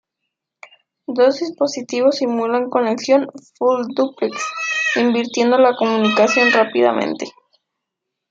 Dos dispositivos simulan conexión "full-duplex" invirtiendo la comunicación rápidamente.